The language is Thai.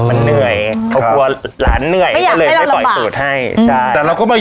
มันเหนื่อยเขากลัวหลานเหนื่อยก็เลยไม่ปล่อยสูตรให้ใช่แต่เราก็ไม่